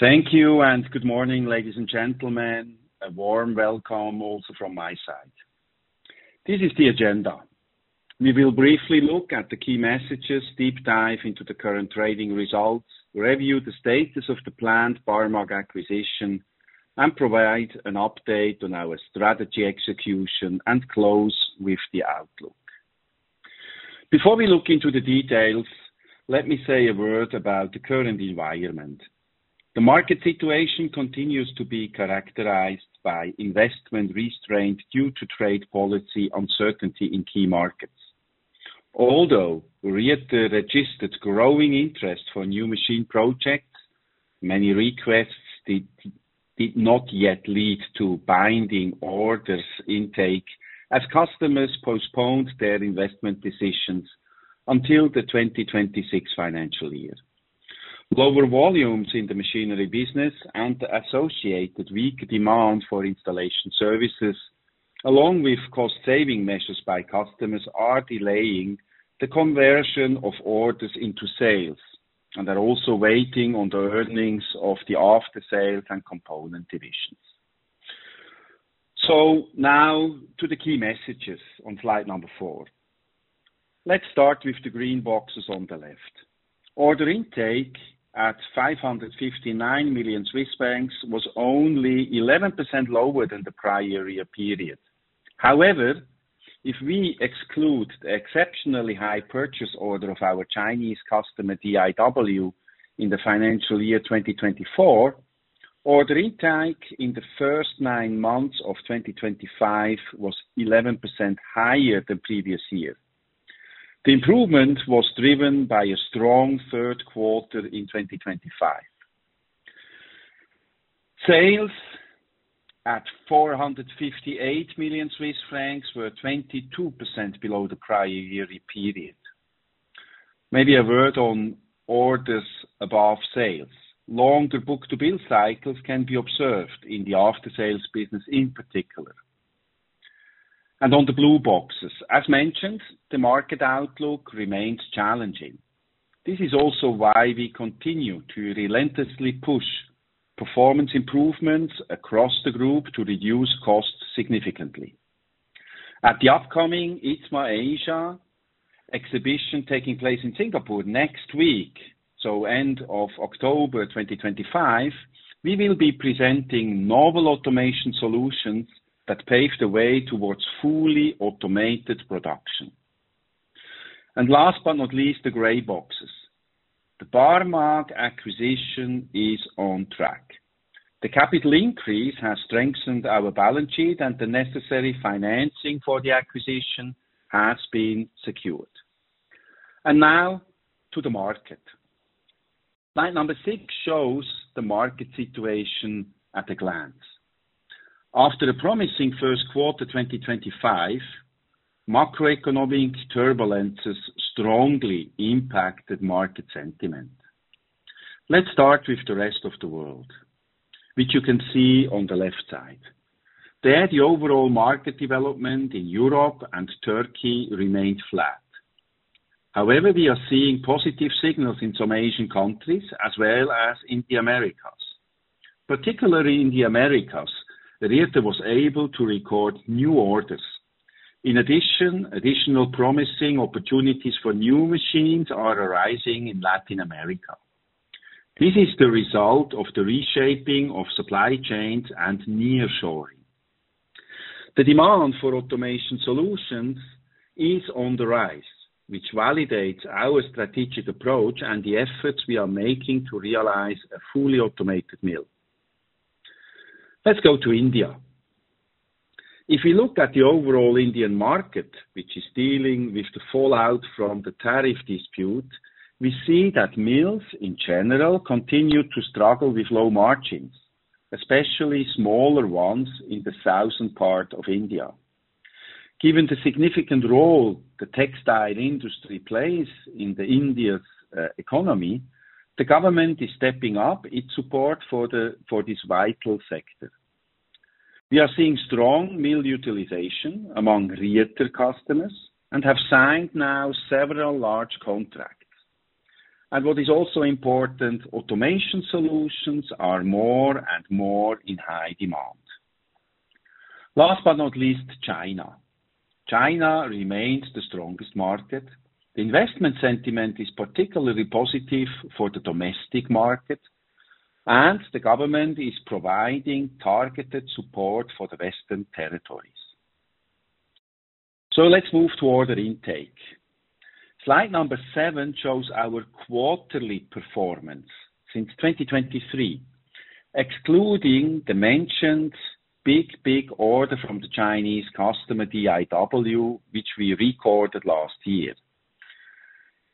Thank you, and good morning, ladies and gentlemen. A warm welcome also from my side. This is the agenda. We will briefly look at the key messages, deep dive into the current trading results, review the status of the planned Barmag acquisition, and provide an update on our strategy execution and close with the outlook. Before we look into the details, let me say a word about the current environment. The market situation continues to be characterized by investment restraint due to trade policy uncertainty in key markets. Although Rieter registered growing interest for new machine projects, many requests did not yet lead to binding orders intake as customers postponed their investment decisions until the 2026 financial year. Lower volumes in the machinery business and the associated weak demand for installation services, along with cost-saving measures by customers, are delaying the conversion of orders into sales and are also weighing on the earnings of the after-sales and component divisions. So now to the key messages on slide number four. Let's start with the green boxes on the left. Order intake at 559 million Swiss francs was only 11% lower than the prior year period. However, if we exclude the exceptionally high purchase order of our Chinese customer DIW in the financial year 2024, order intake in the first nine months of 2025 was 11% higher than previous year. The improvement was driven by a strong third quarter in 2025. Sales at 458 million Swiss francs were 22% below the prior year period. Maybe a word on orders above sales. Longer book-to-bill cycles can be observed in the after-sales business in particular, and on the blue boxes, as mentioned, the market outlook remains challenging. This is also why we continue to relentlessly push performance improvements across the group to reduce costs significantly. At the upcoming ITMA Asia exhibition taking place in Singapore next week, so end of October 2025, we will be presenting novel automation solutions that pave the way towards fully automated production, and last but not least, the gray boxes. The Barmag acquisition is on track. The capital increase has strengthened our balance sheet, and the necessary financing for the acquisition has been secured, and now to the market. Slide number six shows the market situation at a glance. After a promising first quarter 2025, macroeconomic turbulences strongly impacted market sentiment. Let's start with the rest of the world, which you can see on the left side. There, the overall market development in Europe and Turkey remained flat. However, we are seeing positive signals in some Asian countries as well as in the Americas. Particularly in the Americas, Rieter was able to record new orders. In addition, additional promising opportunities for new machines are arising in Latin America. This is the result of the reshaping of supply chains and nearshoring. The demand for automation solutions is on the rise, which validates our strategic approach and the efforts we are making to realize a fully automated mill. Let's go to India. If we look at the overall Indian market, which is dealing with the fallout from the tariff dispute, we see that mills in general continue to struggle with low margins, especially smaller ones in the southern part of India. Given the significant role the textile industry plays in India's economy, the government is stepping up its support for this vital sector. We are seeing strong mill utilization among Rieter customers and have signed now several large contracts, and what is also important, automation solutions are more and more in high demand. Last but not least, China. China remains the strongest market. The investment sentiment is particularly positive for the domestic market, and the government is providing targeted support for the Western territories, so let's move to order intake. Slide number seven shows our quarterly performance since 2023, excluding the mentioned big, big order from the Chinese customer DIW, which we recorded last year.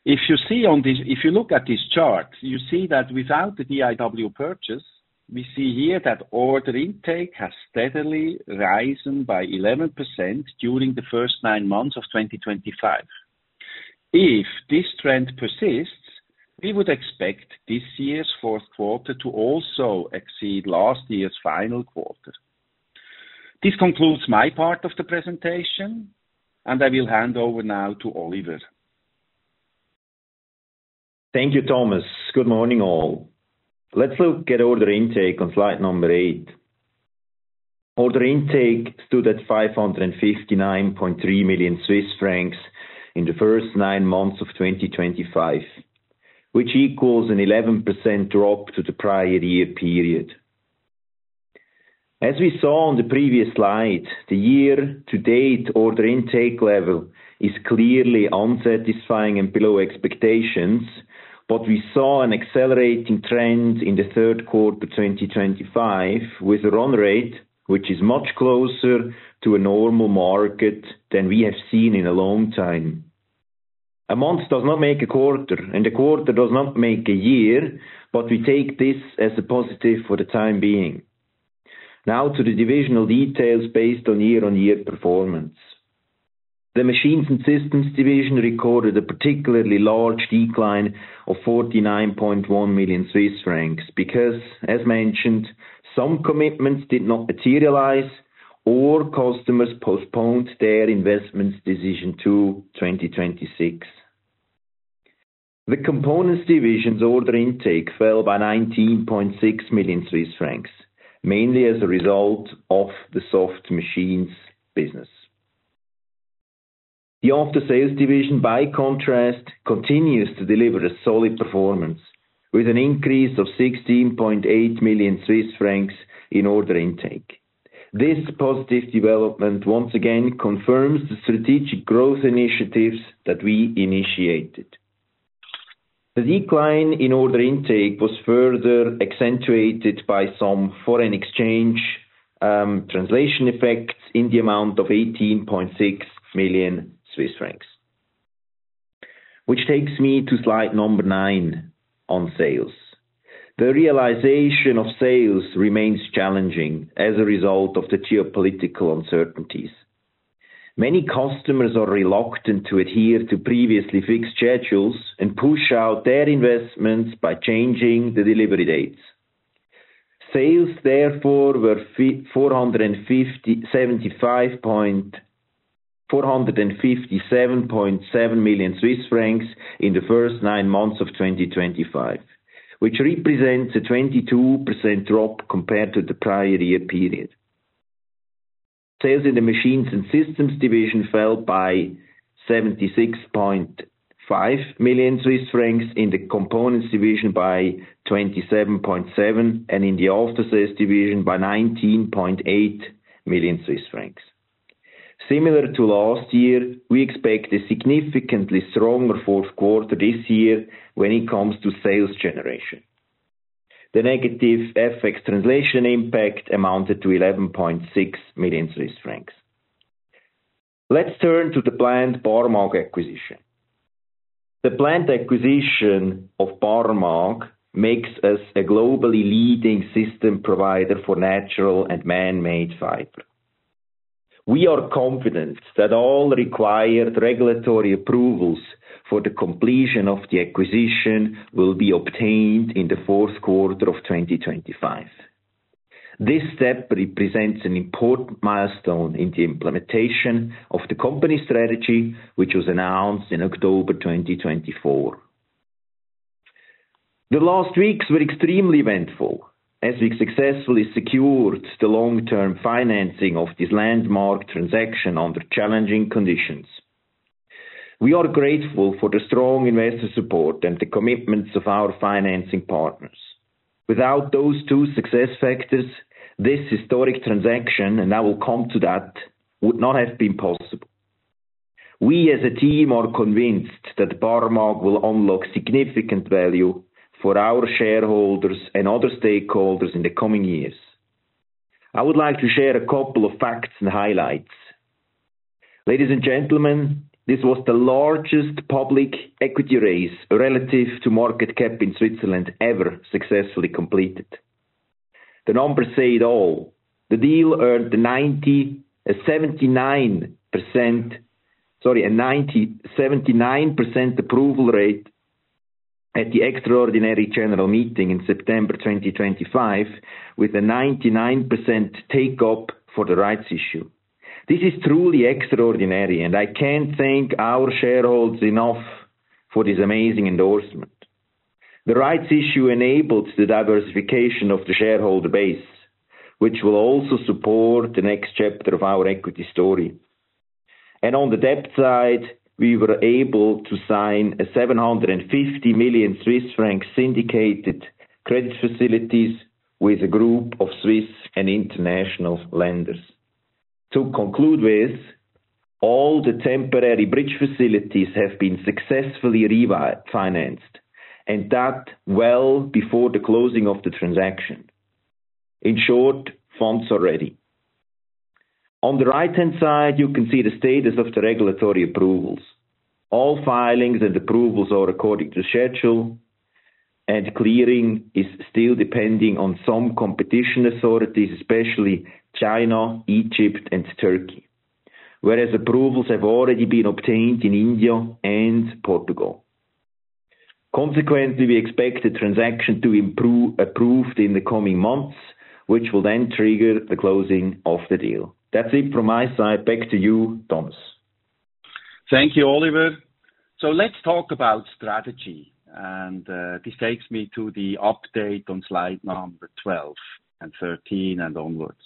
If you see on this, if you look at this chart, you see that without the DIW purchase, we see here that order intake has steadily risen by 11% during the first nine months of 2025. If this trend persists, we would expect this year's fourth quarter to also exceed last year's final quarter. This concludes my part of the presentation, and I will hand over now to Oliver. Thank you, Thomas. Good morning, all. Let's look at order intake on slide number eight. Order intake stood at 559.3 million Swiss francs in the first nine months of 2025, which equals an 11% drop to the prior year period. As we saw on the previous slide, the year-to-date order intake level is clearly unsatisfying and below expectations, but we saw an accelerating trend in the third quarter 2025 with a run rate, which is much closer to a normal market than we have seen in a long time. A month does not make a quarter, and a quarter does not make a year, but we take this as a positive for the time being. Now to the divisional details based on year-on-year performance. The Machines & Systems division recorded a particularly large decline of 49.1 million Swiss francs because, as mentioned, some commitments did not materialize or customers postponed their investment decision to 2026. The Components division's order intake fell by 19.6 million Swiss francs, mainly as a result of the soft machines business. The After-sales division, by contrast, continues to deliver a solid performance with an increase of 16.8 million Swiss francs in order intake. This positive development once again confirms the strategic growth initiatives that we initiated. The decline in order intake was further accentuated by some foreign exchange translation effects in the amount of 18.6 million Swiss francs, which takes me to slide number nine on sales. The realization of sales remains challenging as a result of the geopolitical uncertainties. Many customers are reluctant to adhere to previously fixed schedules and push out their investments by changing the delivery dates. Sales, therefore, were CHF 457.7 million in the first nine months of 2025, which represents a 22% drop compared to the prior year period. Sales in the machines and systems division fell by 76.5 million Swiss francs, in the components division by 27.7 million, and in the after-sales division by 19.8 million Swiss francs. Similar to last year, we expect a significantly stronger fourth quarter this year when it comes to sales generation. The negative FX translation impact amounted to 11.6 million Swiss francs. Let's turn to the planned Barmag acquisition. The planned acquisition of Barmag makes us a globally leading system provider for natural and man-made fiber. We are confident that all required regulatory approvals for the completion of the acquisition will be obtained in the fourth quarter of 2025. This step represents an important milestone in the implementation of the company strategy, which was announced in October 2024. The last weeks were extremely eventful as we successfully secured the long-term financing of this landmark transaction under challenging conditions. We are grateful for the strong investor support and the commitments of our financing partners. Without those two success factors, this historic transaction, and I will come to that, would not have been possible. We, as a team, are convinced that Barmag will unlock significant value for our shareholders and other stakeholders in the coming years. I would like to share a couple of facts and highlights. Ladies and gentlemen, this was the largest public equity raise relative to market cap in Switzerland ever successfully completed. The numbers say it all. The deal earned a 79% approval rate at the extraordinary general meeting in September 2025, with a 99% take-up for the rights issue. This is truly extraordinary, and I can't thank our shareholders enough for this amazing endorsement. The rights issue enabled the diversification of the shareholder base, which will also support the next chapter of our equity story, and on the debt side, we were able to sign a 750 million Swiss franc syndicated credit facilities with a group of Swiss and international lenders. To conclude with, all the temporary bridge facilities have been successfully refinanced, and that well before the closing of the transaction. In short, funds are ready. On the right-hand side, you can see the status of the regulatory approvals. All filings and approvals are according to the schedule, and clearing is still depending on some competition authorities, especially China, Egypt, and Turkey, whereas approvals have already been obtained in India and Portugal. Consequently, we expect the transaction to be approved in the coming months, which will then trigger the closing of the deal. That's it from my side. Back to you, Thomas. Thank you, Oliver. So let's talk about strategy. And this takes me to the update on slide number 12 and 13 and onwards.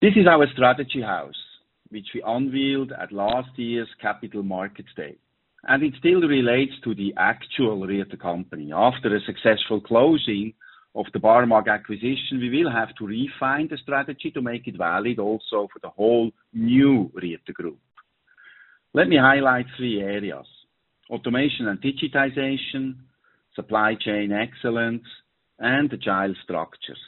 This is our strategy house, which we unveiled at last year's capital markets day. And it still relates to the actual Rieter company. After a successful closing of the Barmag acquisition, we will have to refine the strategy to make it valid also for the whole new Rieter group. Let me highlight three areas: automation and digitization, supply chain excellence, and agile structures.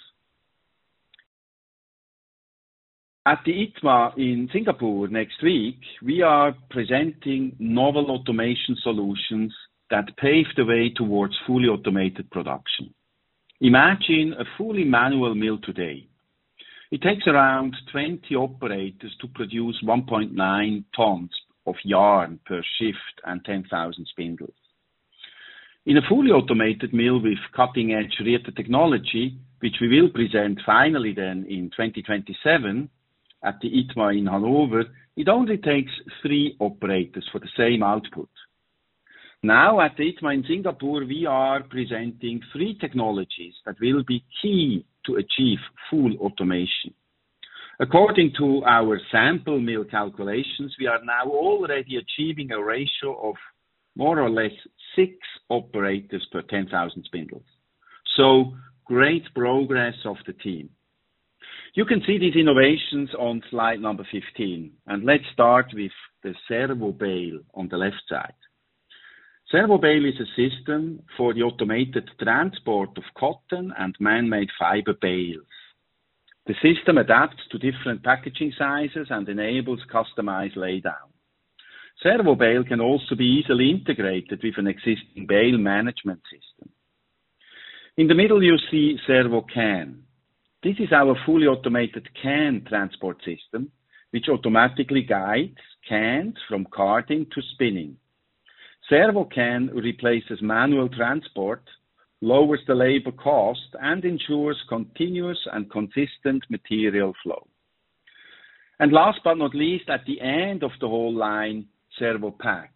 At the ITMA in Singapore next week, we are presenting novel automation solutions that pave the way towards fully automated production. Imagine a fully manual mill today. It takes around 20 operators to produce 1.9 tons of yarn per shift and 10,000 spindles. In a fully automated mill with cutting-edge Rieter technology, which we will present finally then in 2027 at the ITMA in Hanover, it only takes three operators for the same output. Now, at the ITMA in Singapore, we are presenting three technologies that will be key to achieve full automation. According to our sample mill calculations, we are now already achieving a ratio of more or less six operators per 10,000 spindles. So, great progress of the team. You can see these innovations on slide number 15. And let's start with the SERVObale on the left side. SERVObale is a system for the automated transport of cotton and man-made fiber bales. The system adapts to different packaging sizes and enables customized lay down. SERVObale can also be easily integrated with an existing bale management system. In the middle, you see SERVOcan. This is our fully automated can transport system, which automatically guides cans from carding to spinning. SERVOcan replaces manual transport, lowers the labor cost, and ensures continuous and consistent material flow, and last but not least, at the end of the whole line, SERVOpack.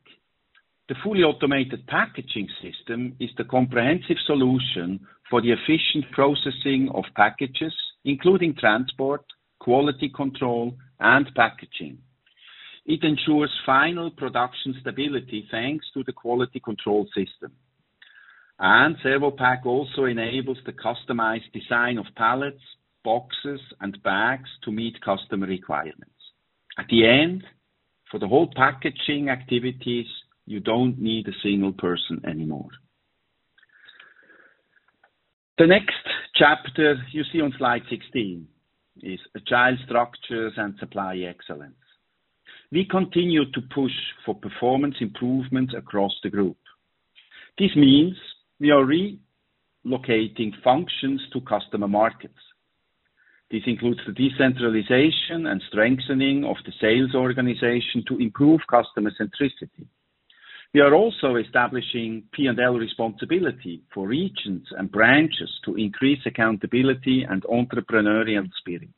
The fully automated packaging system is the comprehensive solution for the efficient processing of packages, including transport, quality control, and packaging. It ensures final production stability thanks to the quality control system, and SERVOpack also enables the customized design of pallets, boxes, and bags to meet customer requirements. At the end, for the whole packaging activities, you don't need a single person anymore. The next chapter you see on slide 16 is agile structures and supply excellence. We continue to push for performance improvements across the group. This means we are relocating functions to customer markets. This includes the decentralization and strengthening of the sales organization to improve customer centricity. We are also establishing P&L responsibility for regions and branches to increase accountability and entrepreneurial spirit.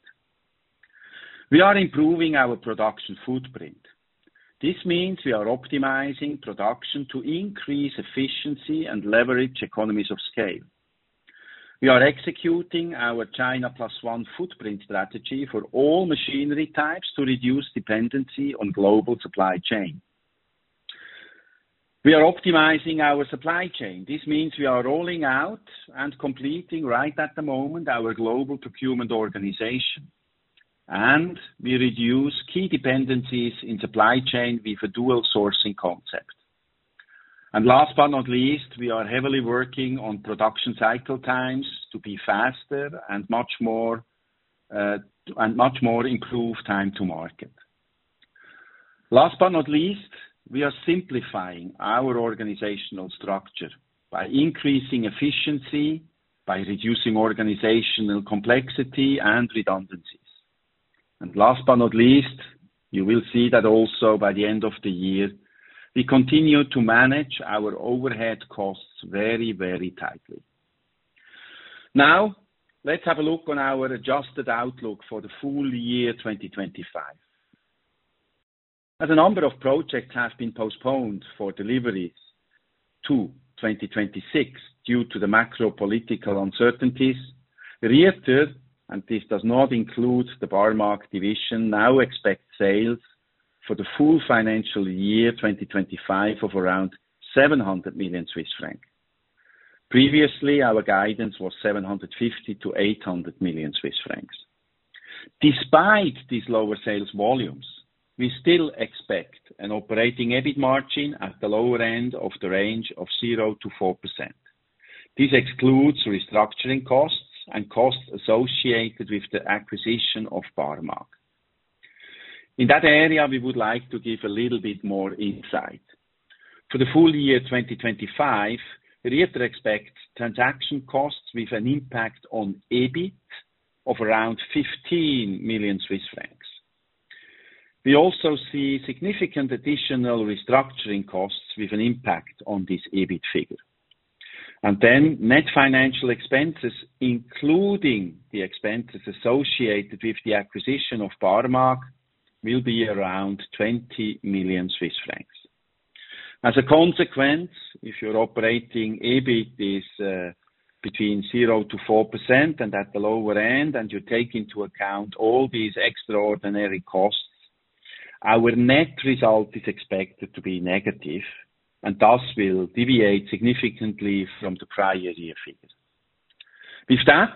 We are improving our production footprint. This means we are optimizing production to increase efficiency and leverage economies of scale. We are executing our China plus one footprint strategy for all machinery types to reduce dependency on global supply chain. We are optimizing our supply chain. This means we are rolling out and completing right at the moment our global procurement organization. And we reduce key dependencies in supply chain with a dual sourcing concept. And last but not least, we are heavily working on production cycle times to be faster and much more improved time to market. Last but not least, we are simplifying our organizational structure by increasing efficiency, by reducing organizational complexity and redundancies. Last but not least, you will see that also by the end of the year, we continue to manage our overhead costs very, very tightly. Now, let's have a look on our adjusted outlook for the full year 2025. As a number of projects have been postponed for deliveries to 2026 due to the macro-political uncertainties, Rieter, and this does not include the Barmag division, now expects sales for the full financial year 2025 of around 700 million Swiss francs. Previously, our guidance was 750 million-800 million Swiss francs. Despite these lower sales volumes, we still expect an operating EBIT margin at the lower end of the range of 0%-4%. This excludes restructuring costs and costs associated with the acquisition of Barmag. In that area, we would like to give a little bit more insight. For the full year 2025, Rieter expects transaction costs with an impact on EBIT of around 15 million Swiss francs. We also see significant additional restructuring costs with an impact on this EBIT figure. And then net financial expenses, including the expenses associated with the acquisition of Barmag, will be around 20 million Swiss francs. As a consequence, if your operating EBIT is between 0%-4% and at the lower end, and you take into account all these extraordinary costs, our net result is expected to be negative, and thus will deviate significantly from the prior year figure. With that,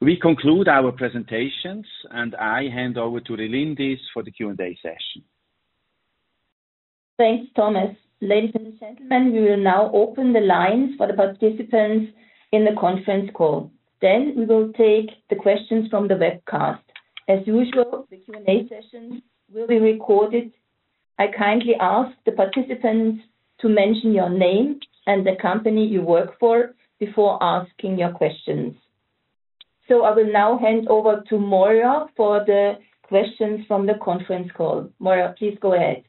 we conclude our presentations, and I hand over to Relindis Wieser for the Q&A session. Thanks, Thomas. Ladies and gentlemen, we will now open the lines for the participants in the conference call. Then we will take the questions from the webcast. As usual, the Q&A sessions will be recorded. I kindly ask the participants to mention your name and the company you work for before asking your questions. So I will now hand over to Morya for the questions from the conference call. Morya, please go ahead.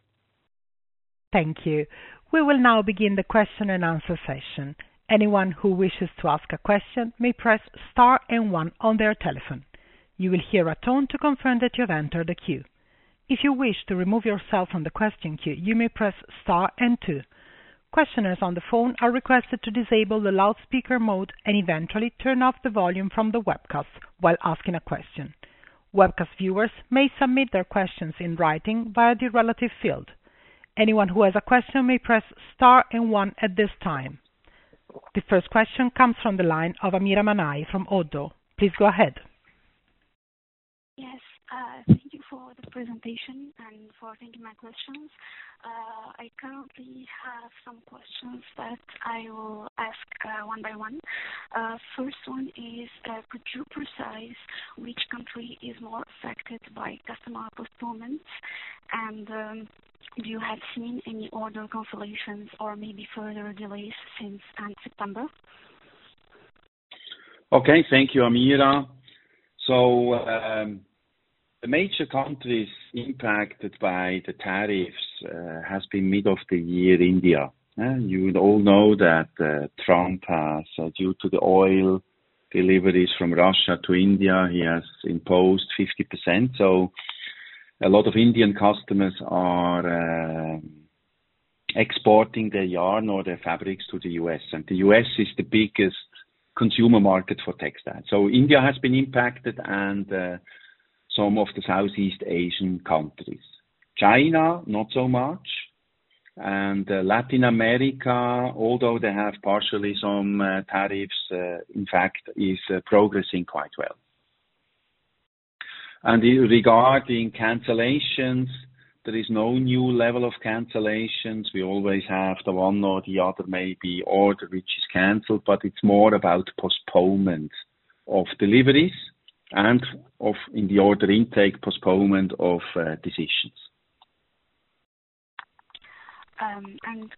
Thank you. We will now begin the question and answer session. Anyone who wishes to ask a question may press star and one on their telephone. You will hear a tone to confirm that you have entered the queue. If you wish to remove yourself from the question queue, you may press star and two. Questioners on the phone are requested to disable the loudspeaker mode and eventually turn off the volume from the webcast while asking a question. Webcast viewers may submit their questions in writing via the relevant field. Anyone who has a question may press star and one at this time. The first question comes from the line of Amira Manai from ODDO. Please go ahead. Yes, thank you for the presentation and for taking my questions. I currently have some questions that I will ask one by one. First one is, could you precise which country is more affected by customer postponements, and do you have seen any order cancellations or maybe further delays since end of September? Okay, thank you, Amira. So the major countries impacted by the tariffs have been mid-of-the-year India. You would all know that Trump has, due to the oil deliveries from Russia to India, he has imposed 50%. So a lot of Indian customers are exporting their yarn or their fabrics to the U.S. And the U.S. is the biggest consumer market for textiles. So India has been impacted and some of the Southeast Asian countries. China, not so much. And Latin America, although they have partially some tariffs, in fact, is progressing quite well. And regarding cancellations, there is no new level of cancellations. We always have the one or the other maybe order which is canceled, but it's more about postponement of deliveries and in the order intake, postponement of decisions.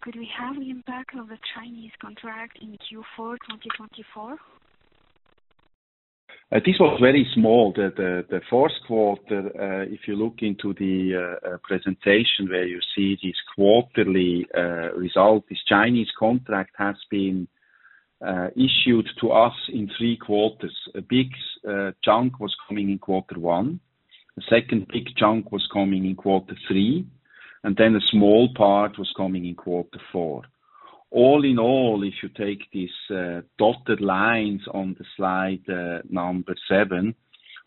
Could we have the impact of the Chinese contract in Q4 2024? This was very small. The first quarter, if you look into the presentation where you see this quarterly result, this Chinese contract has been issued to us in three quarters. A big chunk was coming in quarter one. The second big chunk was coming in quarter three, and then a small part was coming in quarter four. All in all, if you take these dotted lines on the slide number seven,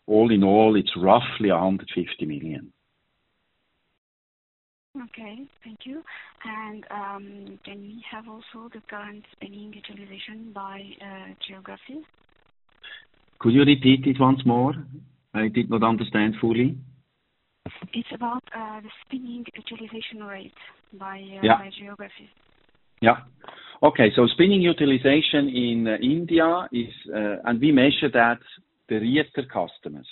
all in all, it's roughly 150 million. Okay, thank you. And can we have also the current spinning utilization by geography? Could you repeat it once more? I did not understand fully. It's about the spinning utilization rate by geography. Yeah. Okay, so spinning utilization in India is, and we measure that the Rieter customers.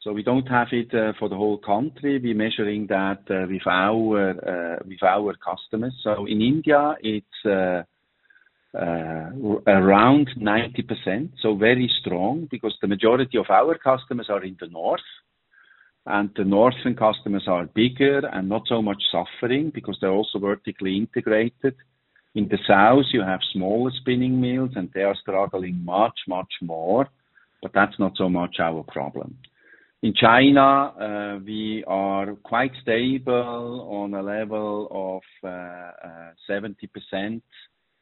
So we don't have it for the whole country. We're measuring that with our customers. So in India, it's around 90%, so very strong, because the majority of our customers are in the north. And the northern customers are bigger and not so much suffering because they're also vertically integrated. In the south, you have smaller spinning mills, and they are struggling much, much more. But that's not so much our problem. In China, we are quite stable on a level of 70%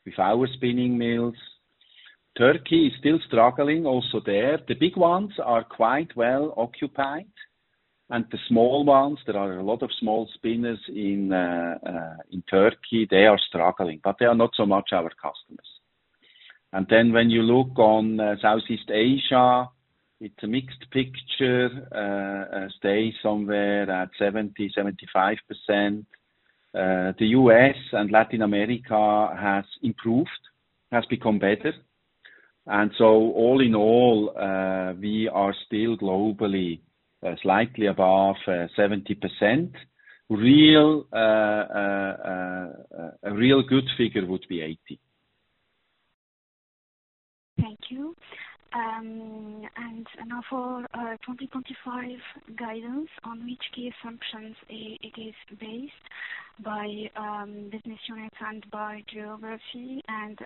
with our spinning mills. Turkey is still struggling also there. The big ones are quite well occupied. And the small ones, there are a lot of small spinners in Turkey. They are struggling, but they are not so much our customers. And then when you look on Southeast Asia, it's a mixed picture. Stay somewhere at 70%-75%. The U.S. and Latin America has improved, has become better. And so all in all, we are still globally slightly above 70%. A real good figure would be 80%. Thank you. And now for 2025 guidance on which key assumptions it is based by business units and by geography? And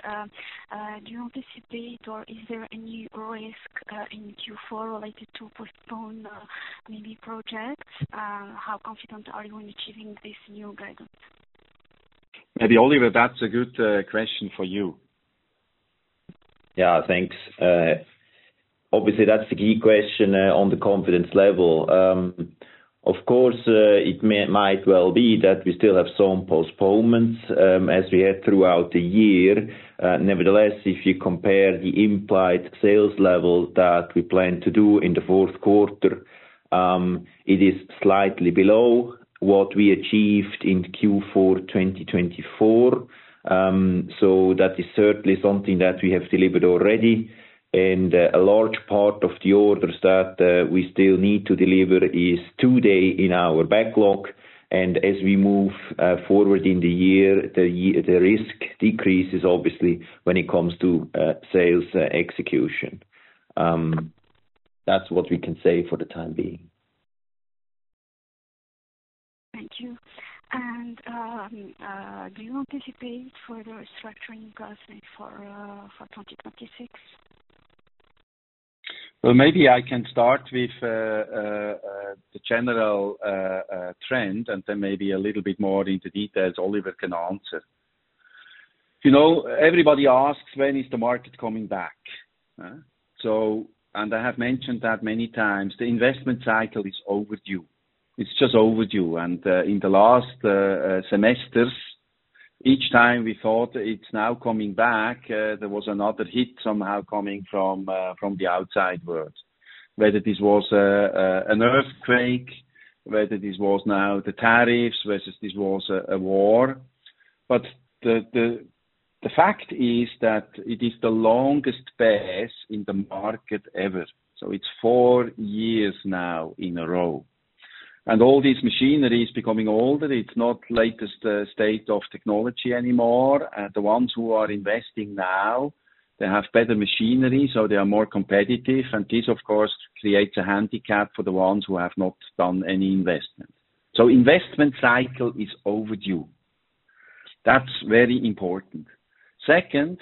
do you anticipate or is there any risk in Q4 related to postpone maybe projects? How confident are you in achieving this new guidance? Maybe Oliver, that's a good question for you. Yeah, thanks. Obviously, that's the key question on the confidence level. Of course, it might well be that we still have some postponements as we had throughout the year. Nevertheless, if you compare the implied sales level that we plan to do in the fourth quarter, it is slightly below what we achieved in Q4 2024. So that is certainly something that we have delivered already. And a large part of the orders that we still need to deliver is today in our backlog. And as we move forward in the year, the risk decreases obviously when it comes to sales execution. That's what we can say for the time being. Thank you. And do you anticipate further restructuring for 2026? Well, maybe I can start with the general trend, and then maybe a little bit more into details. Oliver can answer. Everybody asks when is the market coming back. And I have mentioned that many times, the investment cycle is overdue. It's just overdue. And in the last semesters, each time we thought it's now coming back, there was another hit somehow coming from the outside world, whether this was an earthquake, whether this was now the tariffs or this was a war. But the fact is that it is the longest pause in the market ever. So it's four years now in a row. And all these machinery is becoming older. It's not latest state of technology anymore. The ones who are investing now, they have better machinery, so they are more competitive. And this, of course, creates a handicap for the ones who have not done any investment. So investment cycle is overdue. That's very important. Second,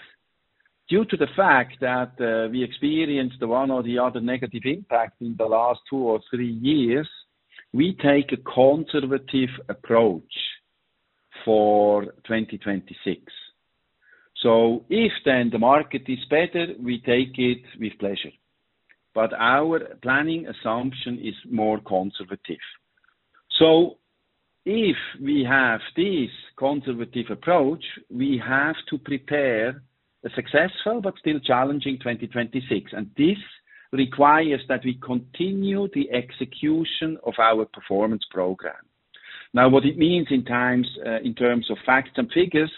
due to the fact that we experienced the one or the other negative impact in the last two or three years, we take a conservative approach for 2026. So if then the market is better, we take it with pleasure. But our planning assumption is more conservative. So if we have this conservative approach, we have to prepare a successful but still challenging 2026. And this requires that we continue the execution of our performance program. Now, what it means in terms of facts and figures,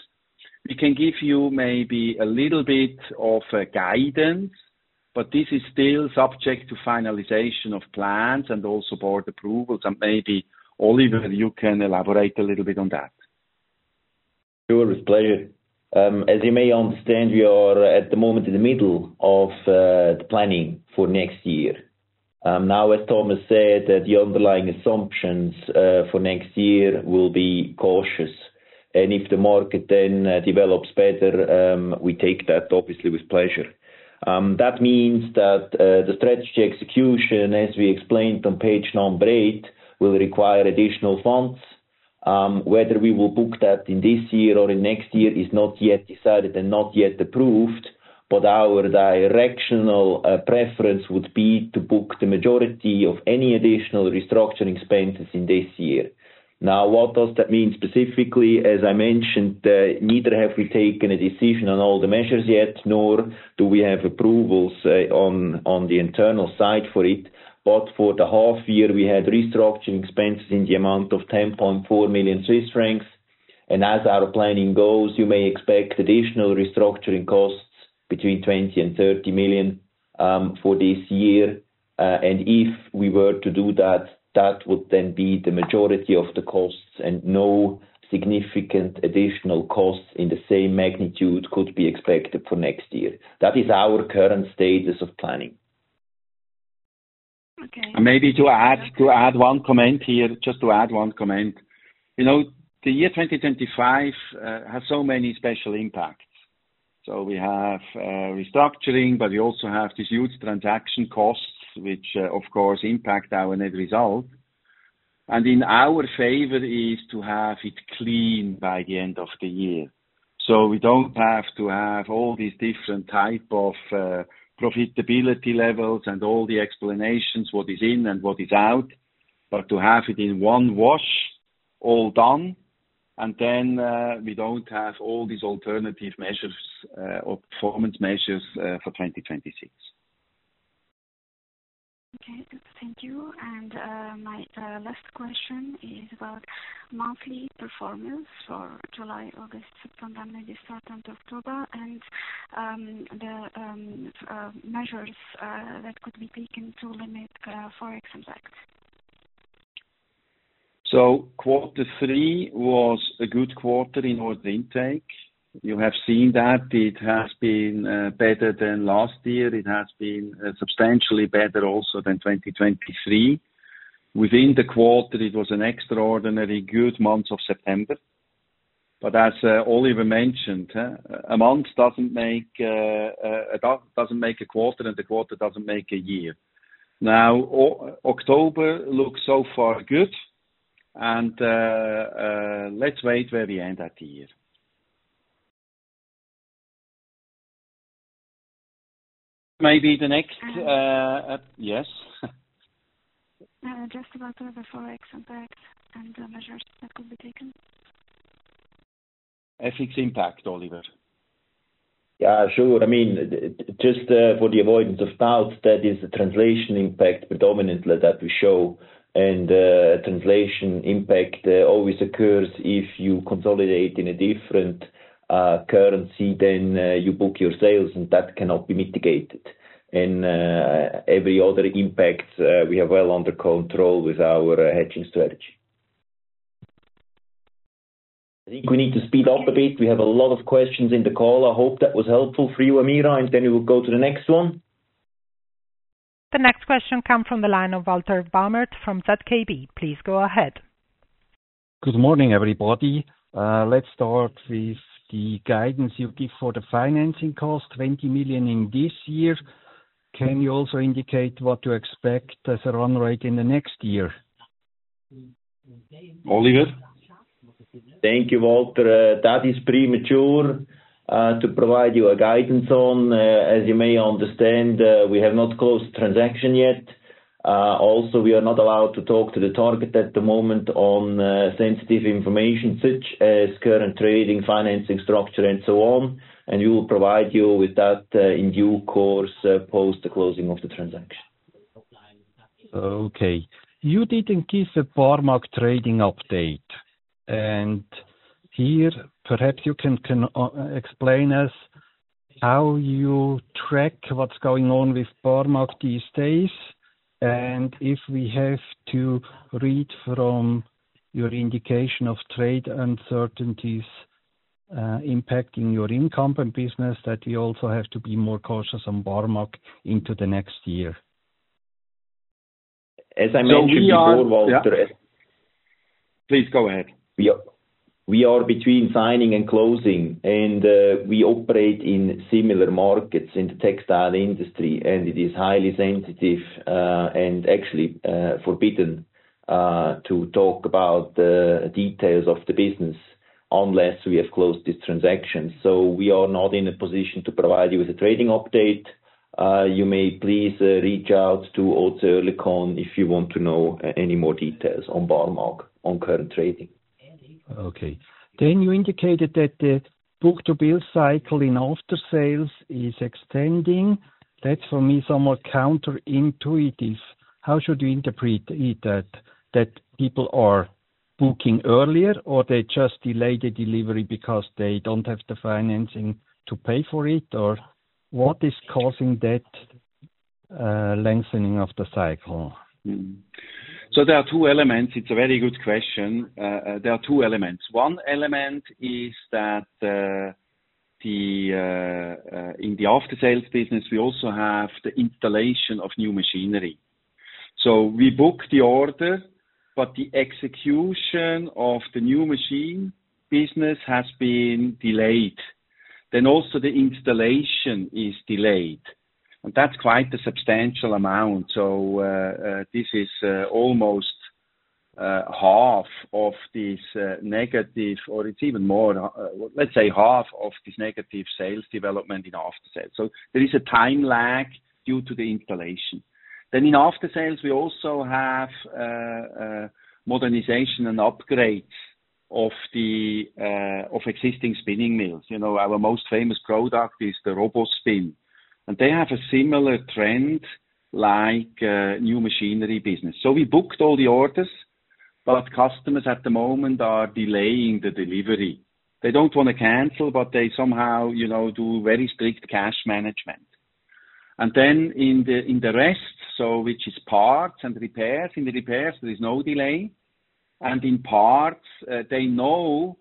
we can give you maybe a little bit of guidance, but this is still subject to finalization of plans and also board approvals. And maybe Oliver, you can elaborate a little bit on that. Sure, with pleasure. As you may understand, we are at the moment in the middle of the planning for next year. Now, as Thomas said, the underlying assumptions for next year will be cautious. And if the market then develops better, we take that obviously with pleasure. That means that the strategy execution, as we explained on page number eight, will require additional funds. Whether we will book that in this year or in next year is not yet decided and not yet approved. But our directional preference would be to book the majority of any additional restructuring expenses in this year. Now, what does that mean specifically? As I mentioned, neither have we taken a decision on all the measures yet, nor do we have approvals on the internal side for it. But for the half year, we had restructuring expenses in the amount of 10.4 million Swiss francs. And as our planning goes, you may expect additional restructuring costs between 20 million and 30 million for this year. And if we were to do that, that would then be the majority of the costs. And no significant additional costs in the same magnitude could be expected for next year. That is our current status of planning. Maybe to add one comment here, just to add one comment. The year 2025 has so many special impacts. So we have restructuring, but we also have these huge transaction costs, which of course impact our net result. And in our favor is to have it clean by the end of the year. So we don't have to have all these different types of profitability levels and all the explanations, what is in and what is out, but to have it in one wash, all done. And then we don't have all these alternative measures or performance measures for 2026. Okay, thank you, and my last question is about monthly performance for July, August, September, May, December, and October, and the measures that could be taken to limit forex impact. So quarter three was a good quarter in order intake. You have seen that it has been better than last year. It has been substantially better also than 2023. Within the quarter, it was an extraordinarily good month of September. But as Oliver mentioned, a month doesn't make a quarter, and the quarter doesn't make a year. Now, October looks so far good. And let's wait where we end that year. Maybe the next, yes. Just about the forex impact and the measures that could be taken. Ethics impact, Oliver. Yeah, sure. I mean, just for the avoidance of doubt, that is the translation impact predominantly that we show. And translation impact always occurs if you consolidate in a different currency, then you book your sales, and that cannot be mitigated. And every other impact, we have well under control with our hedging strategy. I think we need to speed up a bit. We have a lot of questions in the call. I hope that was helpful for you, Amira, and then we will go to the next one. The next question comes from the line of Walter Bamert from ZKB. Please go ahead. Good morning, everybody. Let's start with the guidance you give for the financing cost, 20 million in this year. Can you also indicate what to expect as a run rate in the next year? Oliver? Thank you, Walter. That is pretty premature to provide you a guidance on. As you may understand, we have not closed the transaction yet. Also, we are not allowed to talk to the target at the moment on sensitive information such as current trading, financing structure, and so on, and we will provide you with that in due course post the closing of the transaction. Okay. You didn't give a Barmag trading update. And here, perhaps you can explain us how you track what's going on with Barmag these days? And if we have to read from your indication of trade uncertainties impacting your income and business, that we also have to be more cautious on Barmag into the next year. As I mentioned before, Walter. Please go ahead. We are between signing and closing. And we operate in similar markets in the textile industry. And it is highly sensitive and actually forbidden to talk about the details of the business unless we have closed these transactions. So we are not in a position to provide you with a trading update. You may please reach out to Oerlikon if you want to know any more details on Barmag, on current trading. Okay. Then you indicated that the book-to-bill cycle in after-sales is extending. That's for me somewhat counterintuitive. How should you interpret that? That people are booking earlier, or they just delay the delivery because they don't have the financing to pay for it? Or what is causing that lengthening of the cycle? So there are two elements. It's a very good question. There are two elements. One element is that in the after-sales business, we also have the installation of new machinery. So we book the order, but the execution of the new machine business has been delayed. Then also the installation is delayed. And that's quite a substantial amount. So this is almost half of this negative, or it's even more, let's say half of this negative sales development in after-sales. So there is a time lag due to the installation. Then in after-sales, we also have modernization and upgrades of existing spinning mills. Our most famous product is ROBOspin. And they have a similar trend like new machinery business. So we booked all the orders, but customers at the moment are delaying the delivery. They don't want to cancel, but they somehow do very strict cash management. And then in the rest, which is parts and repairs, in the repairs, there is no delay. And in parts, they know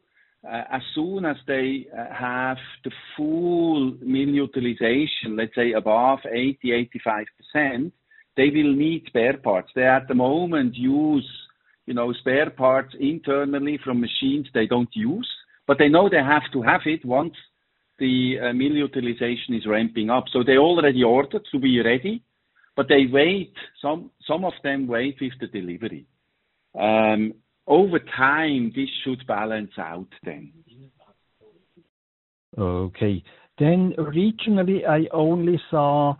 as soon as they have the full mill utilization, let's say above 80%-85%, they will need spare parts. They at the moment use spare parts internally from machines they don't use, but they know they have to have it once the mill utilization is ramping up. So they already ordered to be ready, but they wait. Some of them wait with the delivery. Over time, this should balance out then. Okay, then regionally, I only saw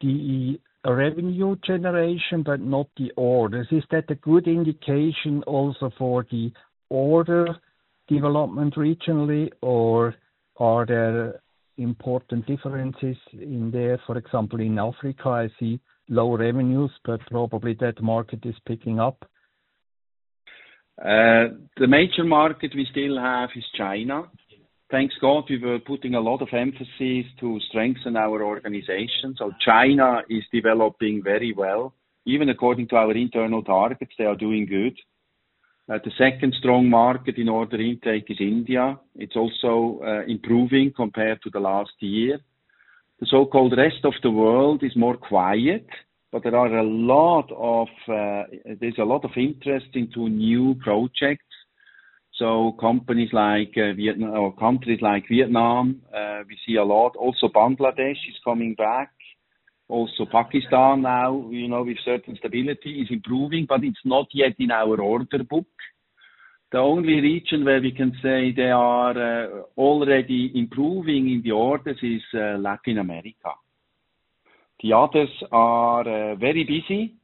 the revenue generation, but not the orders. Is that a good indication also for the order development regionally, or are there important differences in there? For example, in Africa, I see low revenues, but probably that market is picking up. The major market we still have is China. Thank God, we were putting a lot of emphasis to strengthen our organization, so China is developing very well. Even according to our internal targets, they are doing good. The second strong market in order intake is India. It's also improving compared to the last year. The so-called rest of the world is more quiet, but there's a lot of interest into new projects, so companies like Vietnam or countries like Vietnam, we see a lot. Also, Bangladesh is coming back. Also, Pakistan now, we know with certain stability, is improving, but it's not yet in our order book. The only region where we can say they are already improving in the orders is Latin America. The others are very busy,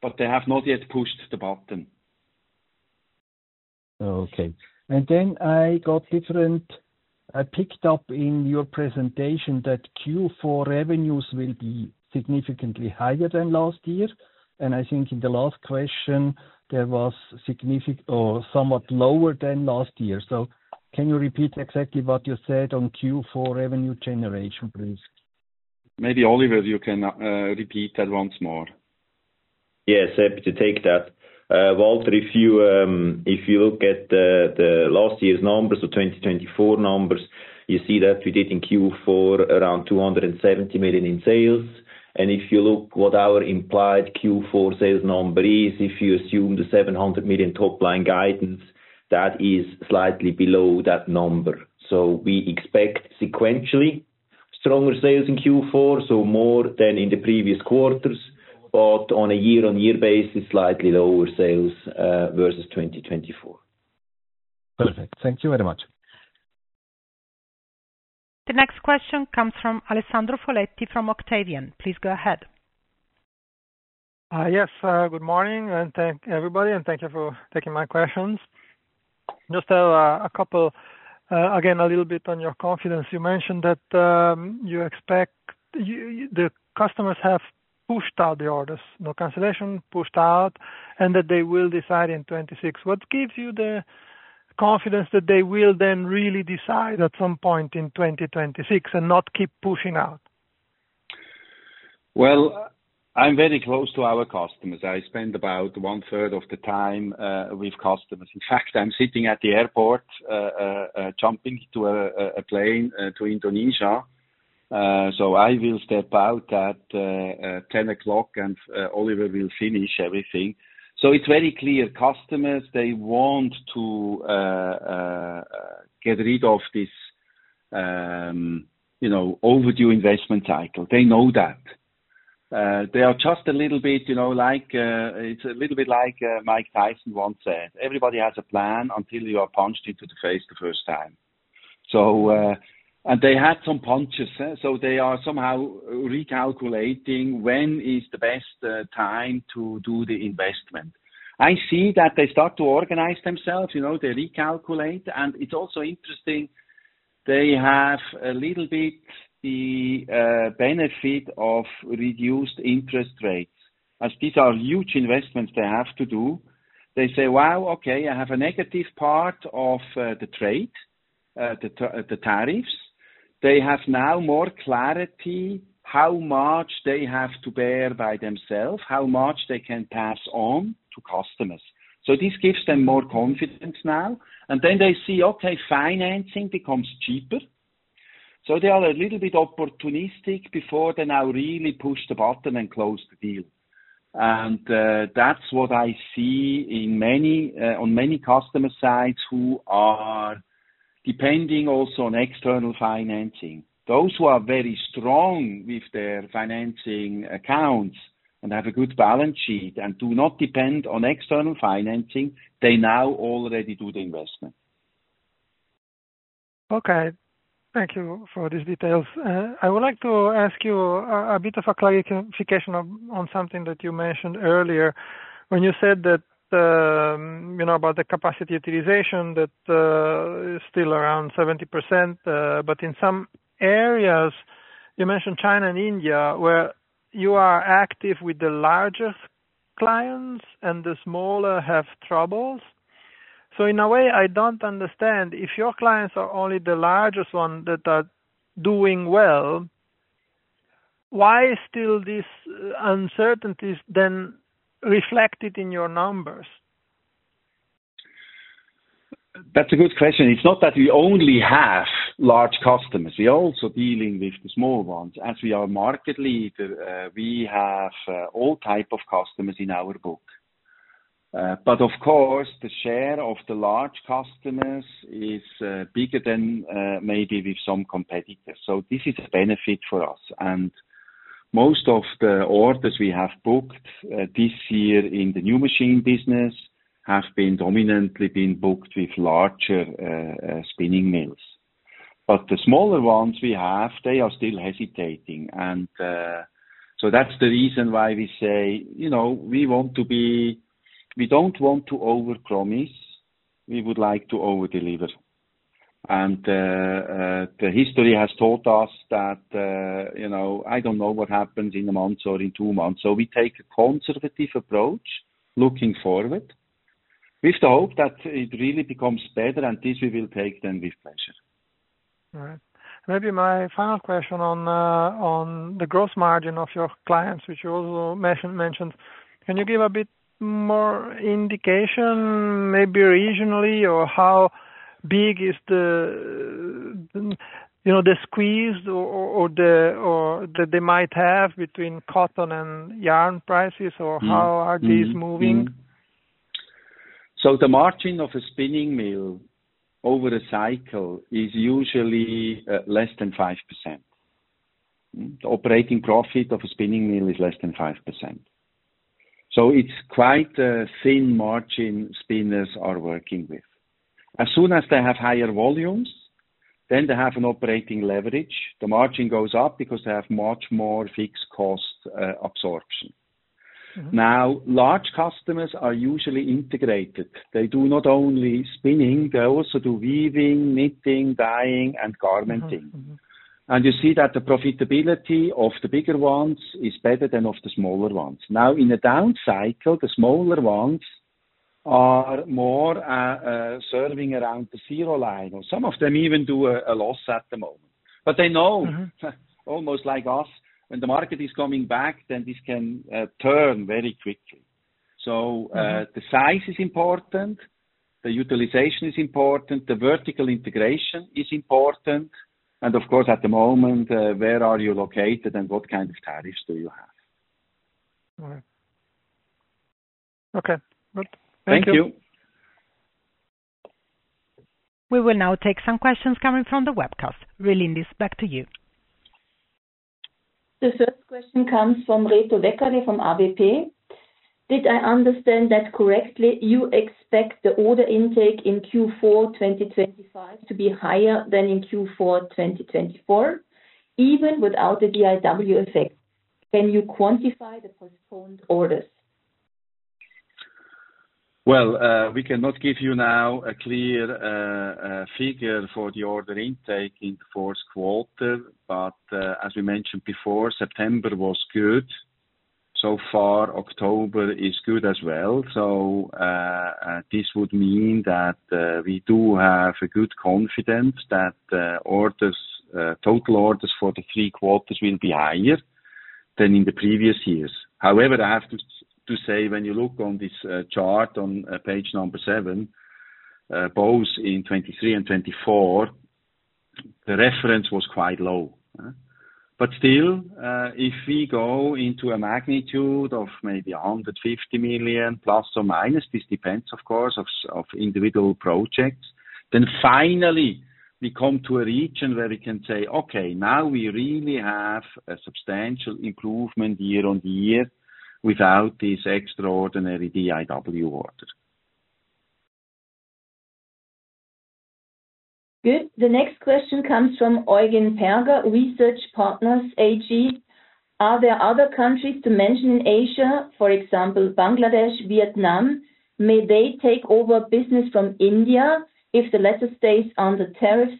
but they have not yet pushed the button. Okay. And then I picked up in your presentation that Q4 revenues will be significantly higher than last year. And I think in the last question, there was significant or somewhat lower than last year. So can you repeat exactly what you said on Q4 revenue generation, please? Maybe Oliver, you can repeat that once more. Yes, happy to take that. Walter, if you look at the last year's numbers, the 2024 numbers, you see that we did in Q4 around 270 million in sales. And if you look at what our implied Q4 sales number is, if you assume the 700 million top line guidance, that is slightly below that number. So we expect sequentially stronger sales in Q4, so more than in the previous quarters, but on a year-on-year basis, slightly lower sales versus 2024. Perfect. Thank you very much. The next question comes from Alessandro Foletti from Octavian. Please go ahead. Yes, good morning and thank everybody, and thank you for taking my questions. Just a couple, again, a little bit on your confidence. You mentioned that you expect the customers have pushed out the orders, no cancellation, pushed out, and that they will decide in 2026. What gives you the confidence that they will then really decide at some point in 2026 and not keep pushing out? Well, I'm very close to our customers. I spend about one-third of the time with customers. In fact, I'm sitting at the airport, jumping to a plane to Indonesia. So I will step out at 10:00 A.M., and Oliver will finish everything. So it's very clear. Customers, they want to get rid of this overdue investment cycle. They know that. They are just a little bit like it's a little bit like Mike Tyson once said, "Everybody has a plan until you are punched into the face the first time." And they had some punches. So they are somehow recalculating when is the best time to do the investment. I see that they start to organize themselves. They recalculate. And it's also interesting, they have a little bit the benefit of reduced interest rates. As these are huge investments they have to do, they say, "Wow, okay, I have a negative part of the trade, the tariffs." They have now more clarity how much they have to bear by themselves, how much they can pass on to customers. So this gives them more confidence now. And then they see, "Okay, financing becomes cheaper." So they are a little bit opportunistic before they now really push the button and close the deal. And that's what I see on many customer sides who are depending also on external financing. Those who are very strong with their financing accounts and have a good balance sheet and do not depend on external financing, they now already do the investment. Okay. Thank you for these details. I would like to ask you a bit of a clarification on something that you mentioned earlier. When you said that about the capacity utilization, that it's still around 70%, but in some areas, you mentioned China and India, where you are active with the largest clients and the smaller have troubles. So in a way, I don't understand if your clients are only the largest ones that are doing well, why still these uncertainties then reflected in your numbers? That's a good question. It's not that we only have large customers. We are also dealing with the small ones. As we are a market leader, we have all types of customers in our book. But of course, the share of the large customers is bigger than maybe with some competitors. So this is a benefit for us. And most of the orders we have booked this year in the new machine business have dominantly been booked with larger spinning mills. But the smaller ones we have, they are still hesitating. And so that's the reason why we say we want to be. We don't want to over-promise. We would like to over-deliver. And the history has taught us that I don't know what happens in a month or in two months. So we take a conservative approach looking forward with the hope that it really becomes better, and this we will take then with pleasure. All right. Maybe my final question on the gross margin of your clients, which you also mentioned. Can you give a bit more indication, maybe regionally, or how big is the squeeze that they might have between cotton and yarn prices, or how are these moving? So the margin of a spinning mill over a cycle is usually less than 5%. The operating profit of a spinning mill is less than 5%. So it's quite a thin margin spinners are working with. As soon as they have higher volumes, then they have an operating leverage. The margin goes up because they have much more fixed cost absorption. Now, large customers are usually integrated. They do not only spinning. They also do weaving, knitting, dyeing, and garmenting. And you see that the profitability of the bigger ones is better than of the smaller ones. Now, in a down cycle, the smaller ones are more serving around the zero line. Some of them even do a loss at the moment. But they know, almost like us, when the market is coming back, then this can turn very quickly. So the size is important. The utilization is important. The vertical integration is important. And of course, at the moment, where are you located, and what kind of tariffs do you have? All right. Okay. Good. Thank you. Thank you. We will now take some questions coming from the webcast. Relindis, this is back to you. The first question comes from Reto Leckerli from ABP. Did I understand that correctly? You expect the order intake in Q4 2025 to be higher than in Q4 2024, even without the DIW effect. Can you quantify the postponed orders? We cannot give you now a clear figure for the order intake in the fourth quarter, but as we mentioned before, September was good. So far, October is good as well. So this would mean that we do have a good confidence that total orders for the three quarters will be higher than in the previous years. However, I have to say, when you look on this chart on page number seven, both in 2023 and 2024, the reference was quite low. But still, if we go into a magnitude of maybe 150 million, plus or minus, this depends, of course, on individual projects, then finally, we come to a region where we can say, "Okay, now we really have a substantial improvement year on year without this extraordinary DIW order. Good. The next question comes from Eugen Perger, Research Partners AG. Are there other countries to mention in Asia, for example, Bangladesh, Vietnam? May they take over business from India if the latter stays under tariff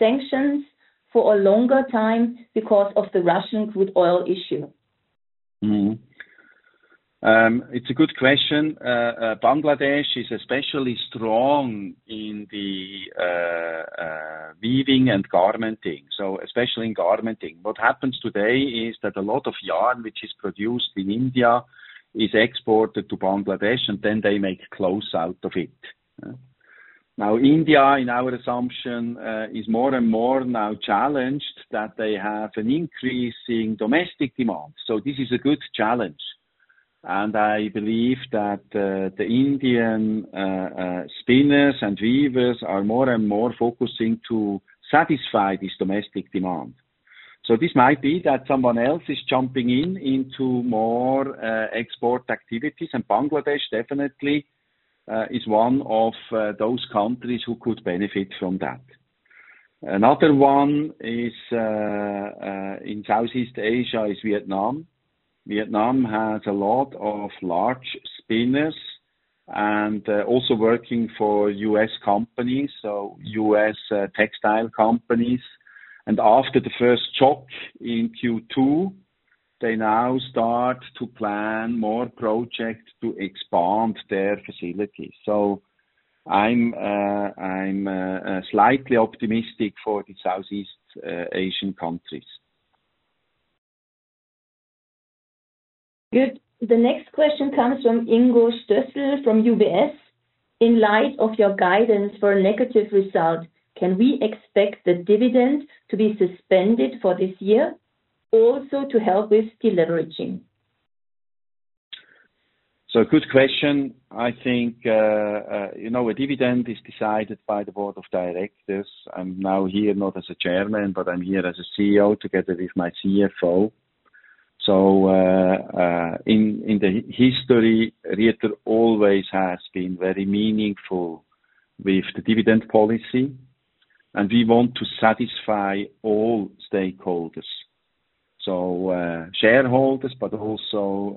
sanctions for a longer time because of the Russian crude oil issue? It's a good question. Bangladesh is especially strong in the weaving and garmenting, so especially in garmenting. What happens today is that a lot of yarn which is produced in India is exported to Bangladesh, and then they make clothes out of it. Now, India, in our assumption, is more and more now challenged that they have an increase in domestic demand. So this is a good challenge. And I believe that the Indian spinners and weavers are more and more focusing to satisfy this domestic demand. So this might be that someone else is jumping into more export activities, and Bangladesh definitely is one of those countries who could benefit from that. Another one in Southeast Asia is Vietnam. Vietnam has a lot of large spinners and also working for U.S. companies, so U.S. textile companies. And after the first shock in Q2, they now start to plan more projects to expand their facilities. So I'm slightly optimistic for the Southeast Asian countries. Good. The next question comes from Eugen Perger, Research Partners AG. In light of your guidance for a negative result, can we expect the dividend to be suspended for this year, also to help with deleveraging? So, good question. I think a dividend is decided by the board of directors. I'm now here not as a chairman, but I'm here as a CEO together with my CFO. So, in the history, Rieter always has been very meaningful with the dividend policy, and we want to satisfy all stakeholders, so shareholders, but also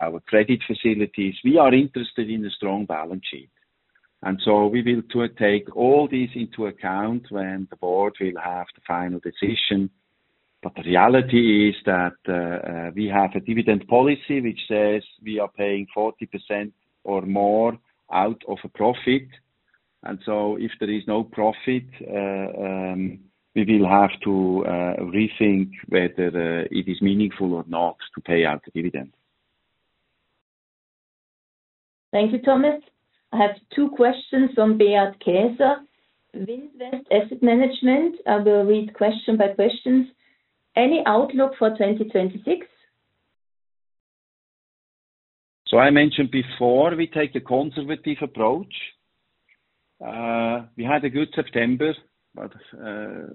our credit facilities. We are interested in a strong balance sheet. And so we will take all these into account when the board will have the final decision. But the reality is that we have a dividend policy which says we are paying 40% or more out of a profit. And so if there is no profit, we will have to rethink whether it is meaningful or not to pay out the dividend. Thank you, Thomas. I have two questions from Beat Käser. Windwest Asset Management. I will read question by questions. Any outlook for 2026? I mentioned before, we take a conservative approach. We had a good September, but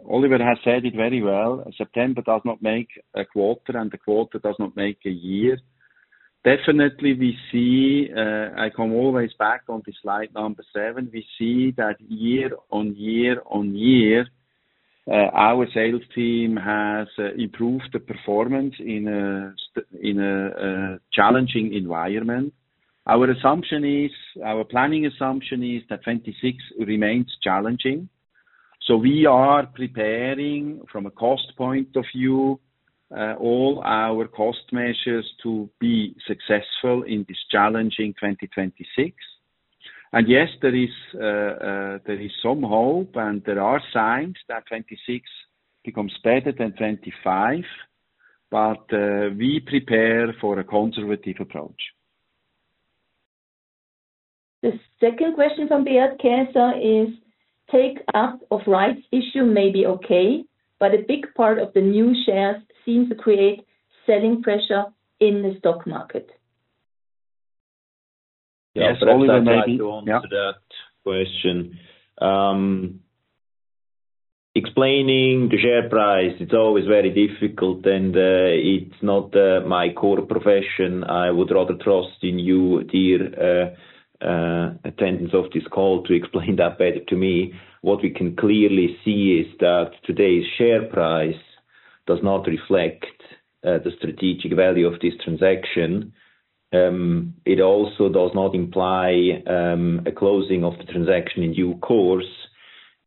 Oliver has said it very well. September does not make a quarter, and the quarter does not make a year. Definitely, we see. I come always back on this slide number seven. We see that year on year on year, our sales team has improved the performance in a challenging environment. Our planning assumption is that 2026 remains challenging. So we are preparing, from a cost point of view, all our cost measures to be successful in this challenging 2026. And yes, there is some hope, and there are signs that 2026 becomes better than 2025, but we prepare for a conservative approach. The second question from Beat Käser is, "Take-up of rights issue may be okay, but a big part of the new shares seems to create selling pressure in the stock market. Yes, Oliver, maybe answer that question. Explaining the share price, it's always very difficult, and it's not my core profession. I would rather trust in you, dear attendees of this call, to explain that better to me. What we can clearly see is that today's share price does not reflect the strategic value of this transaction. It also does not imply a closing of the transaction in due course.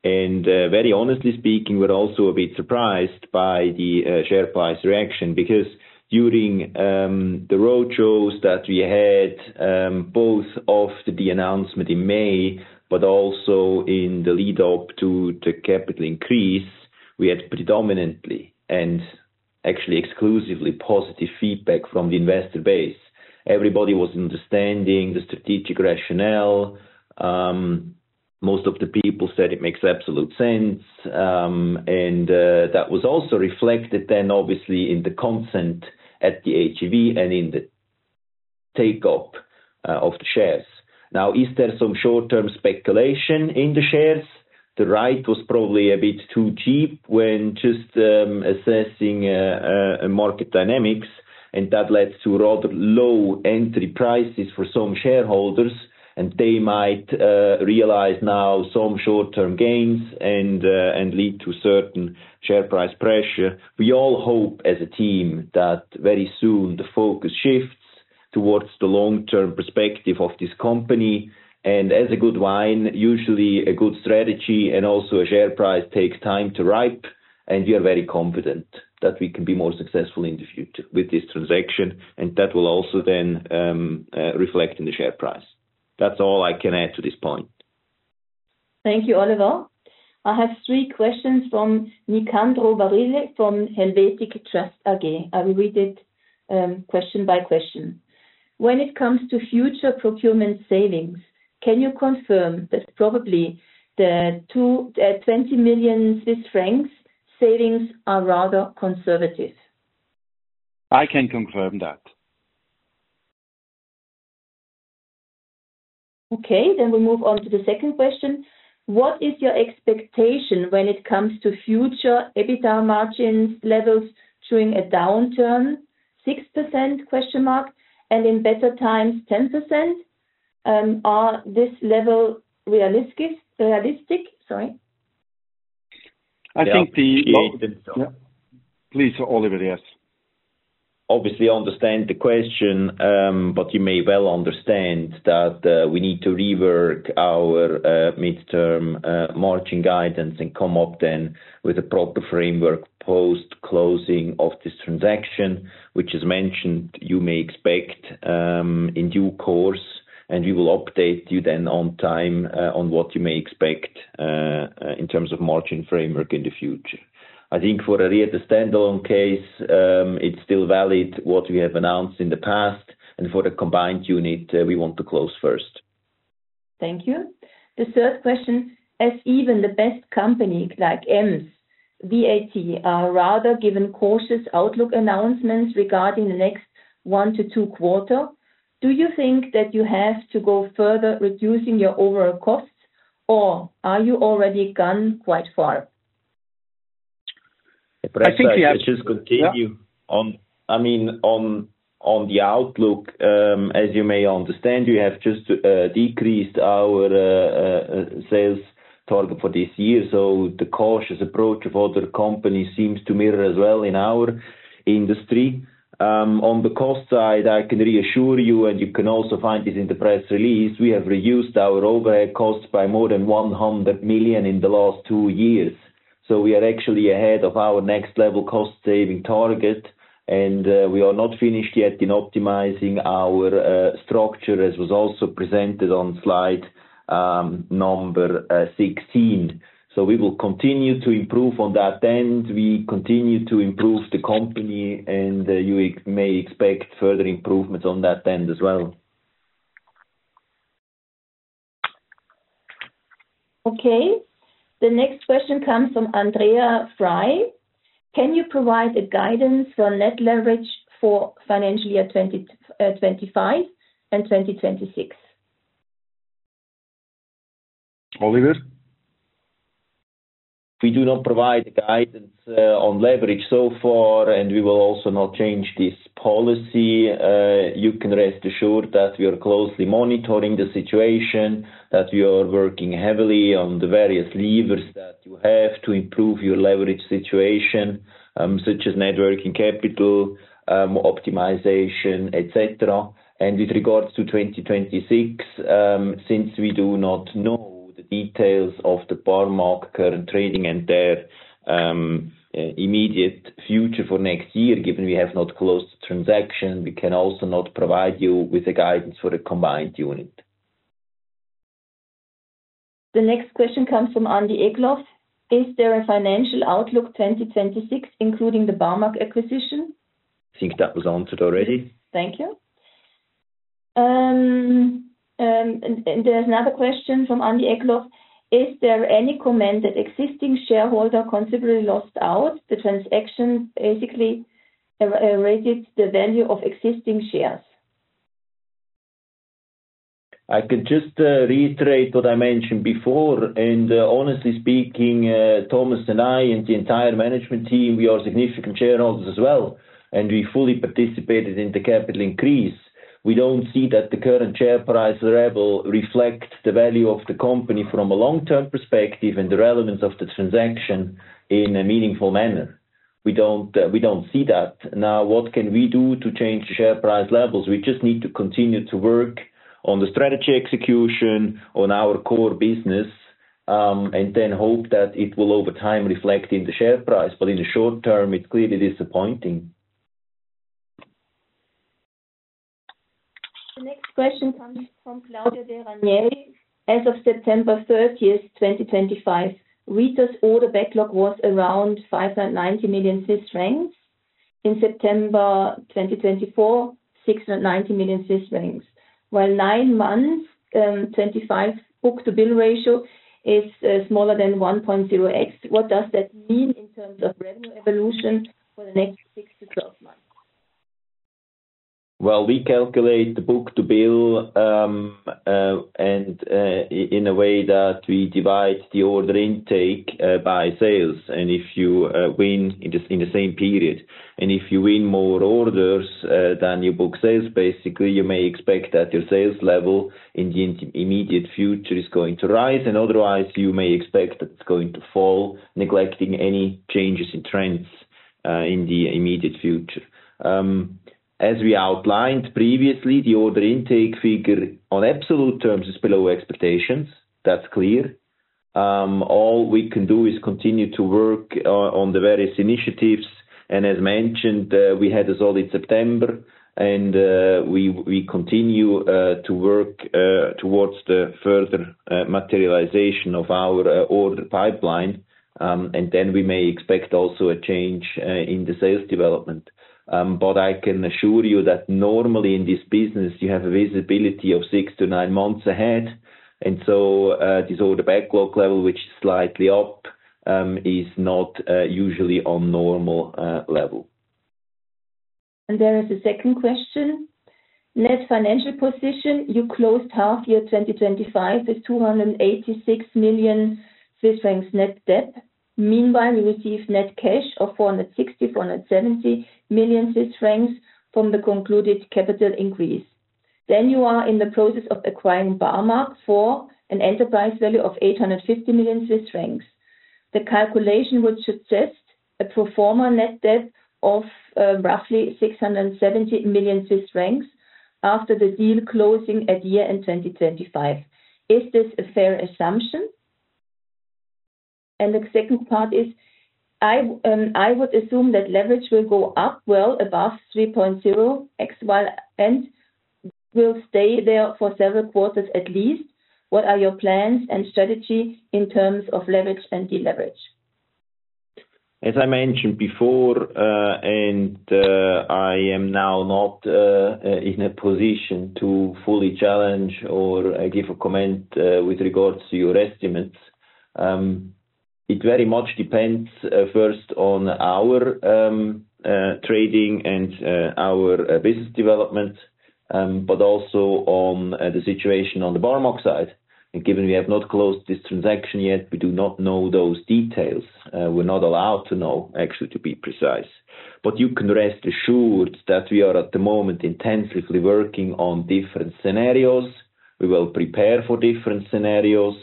And very honestly speaking, we're also a bit surprised by the share price reaction because during the roadshows that we had, both after the announcement in May, but also in the lead-up to the capital increase, we had predominantly and actually exclusively positive feedback from the investor base. Everybody was understanding the strategic rationale. Most of the people said it makes absolute sense. That was also reflected then, obviously, in the consent at the AGM and in the take-up of the shares. Now, is there some short-term speculation in the shares? The right was probably a bit too cheap when just assessing market dynamics, and that led to rather low entry prices for some shareholders, and they might realize now some short-term gains and lead to certain share price pressure. We all hope as a team that very soon the focus shifts towards the long-term perspective of this company. And as a good wine, usually a good strategy and also a share price takes time to ripen, and we are very confident that we can be more successful in the future with this transaction, and that will also then reflect in the share price. That's all I can add to this point. Thank you, Oliver. I have three questions from Nicandro Barile from Helvetic Trust AG. I will read it question by question. When it comes to future procurement savings, can you confirm that probably the 20 million Swiss francs savings are rather conservative? I can confirm that. Okay. Then we move on to the second question. What is your expectation when it comes to future EBITDA margins levels during a downturn? 6%? And in better times, 10%? Are these levels realistic? Sorry. I think the. Please, Oliver, yes. Obviously, I understand the question, but you may well understand that we need to rework our midterm margin guidance and come up then with a proper framework post-closing of this transaction, which, as mentioned, you may expect in due course, and we will update you then on time on what you may expect in terms of margin framework in the future. I think for a Rieter standalone case, it's still valid what we have announced in the past, and for the combined unit, we want to close first. Thank you. The third question. As even the best companies like EMS, VAT, are rather given cautious outlook announcements regarding the next one to two quarters, do you think that you have to go further reducing your overall costs, or are you already gone quite far? I think we have to just continue on, I mean, on the outlook. As you may understand, we have just decreased our sales target for this year, so the cautious approach of other companies seems to mirror as well in our industry. On the cost side, I can reassure you, and you can also find this in the press release, we have reduced our overhead costs by more than 100 million in the last two years. So we are actually ahead of our next level cost-saving target, and we are not finished yet in optimizing our structure, as was also presented on slide number 16. So we will continue to improve on that end. We continue to improve the company, and you may expect further improvements on that end as well. Okay. The next question comes from Andrea Frey. Can you provide guidance for net leverage for financial year 2025 and 2026? Oliver? We do not provide guidance on leverage so far, and we will also not change this policy. You can rest assured that we are closely monitoring the situation, that we are working heavily on the various levers that you have to improve your leverage situation, such as net working capital, optimization, etc., and with regards to 2026, since we do not know the details of the Barmag current trading and their immediate future for next year, given we have not closed the transaction, we can also not provide you with guidance for a combined unit. The next question comes from Andy Egloff. Is there a financial outlook 2026, including the Barmag acquisition? I think that was answered already. Thank you. There's another question from Andy Egloff. Is there any comment that existing shareholders considerably lost out? The transaction basically eroded the value of existing shares. I could just reiterate what I mentioned before. And honestly speaking, Thomas and I and the entire management team, we are significant shareholders as well, and we fully participated in the capital increase. We don't see that the current share price level reflects the value of the company from a long-term perspective and the relevance of the transaction in a meaningful manner. We don't see that. Now, what can we do to change the share price levels? We just need to continue to work on the strategy execution, on our core business, and then hope that it will, over time, reflect in the share price. But in the short term, it's clearly disappointing. The next question comes from Claudia De Ranieri. As of September 30, 2025, Rieter's order backlog was around 590 million. In September 2024, 690 million, while nine months, 25 book-to-bill ratio is smaller than 1.0x. What does that mean in terms of revenue evolution for the next 6-12 months? We calculate the book-to-bill in a way that we divide the order intake by sales, and if you win in the same period, and if you win more orders than your book sales, basically, you may expect that your sales level in the immediate future is going to rise, and otherwise, you may expect that it's going to fall, neglecting any changes in trends in the immediate future. As we outlined previously, the order intake figure on absolute terms is below expectations. That's clear. All we can do is continue to work on the various initiatives, and as mentioned, we had a solid September, and we continue to work towards the further materialization of our order pipeline, and then we may expect also a change in the sales development, but I can assure you that normally in this business, you have a visibility of six to nine months ahead. And so this order backlog level, which is slightly up, is not usually on normal level. And there is a second question. Net financial position, you closed half-year 2025 with 286 million Swiss francs net debt. Meanwhile, you received net cash of 460 million-470 million Swiss francs from the concluded capital increase. Then you are in the process of acquiring Barmag for an enterprise value of 850 million Swiss francs. The calculation would suggest a pro forma net debt of roughly 670 million Swiss francs after the deal closing at year-end 2025. Is this a fair assumption? And the second part is, I would assume that leverage will go up well above 3.0x while net debt will stay there for several quarters at least. What are your plans and strategy in terms of leverage and deleverage? As I mentioned before, and I am now not in a position to fully challenge or give a comment with regards to your estimates. It very much depends first on our trading and our business development, but also on the situation on the Barmag side, and given we have not closed this transaction yet, we do not know those details. We're not allowed to know, actually, to be precise, but you can rest assured that we are at the moment intensively working on different scenarios. We will prepare for different scenarios,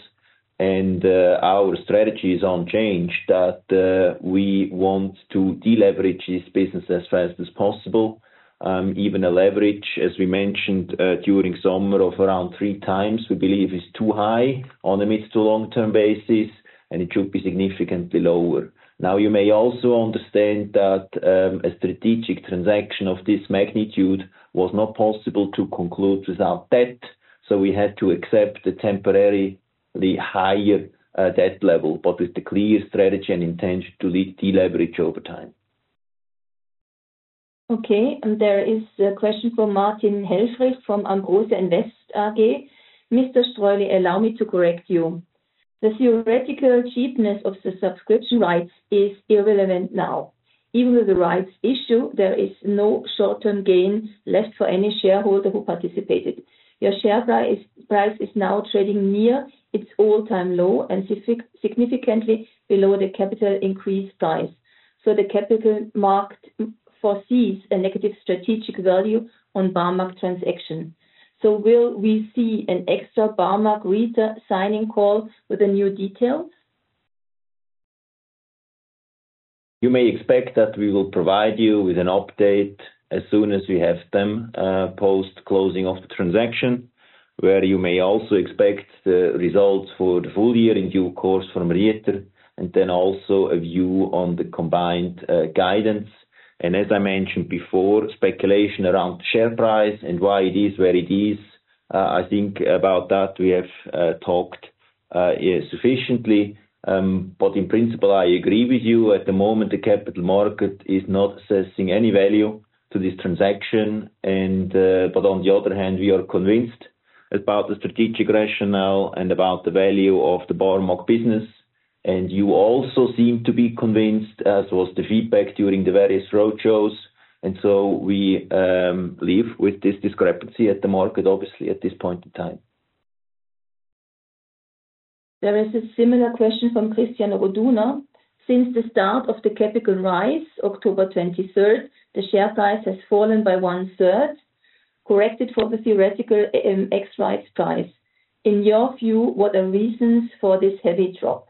and our strategy is unchanged that we want to deleverage this business as fast as possible. Even a leverage, as we mentioned during summer, of around three times, we believe, is too high on a mid- to long-term basis, and it should be significantly lower. Now, you may also understand that a strategic transaction of this magnitude was not possible to conclude without debt. So we had to accept a temporarily higher debt level, but with the clear strategy and intention to deleverage over time. Okay. And there is a question from Martin Helfrich from Ambrosia Invest AG. Mr. Streuli, allow me to correct you. The theoretical cheapness of the subscription rights is irrelevant now. Even with the rights issue, there is no short-term gain left for any shareholder who participated. Your share price is now trading near its all-time low and significantly below the capital increase price. So the capital market foresees a negative strategic value on Barmag transaction. So will we see an extra Barmag Rieter signing call with a new detail? You may expect that we will provide you with an update as soon as we have them post-closing of the transaction, where you may also expect the results for the full year in due course from Rieter, and then also a view on the combined guidance, and as I mentioned before, speculation around the share price and why it is where it is. I think about that we have talked sufficiently, but in principle, I agree with you. At the moment, the capital market is not assessing any value to this transaction, but on the other hand, we are convinced about the strategic rationale and about the value of the Barmag business, and you also seem to be convinced, as was the feedback during the various roadshows, and so we live with this discrepancy at the market, obviously, at this point in time. There is a similar question from Christian Roduner. Since the start of the capital rise, October 23, the share price has fallen by one-third, corrected for the theoretical X rights price. In your view, what are the reasons for this heavy drop?